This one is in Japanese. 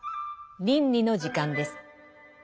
倫理の時間です。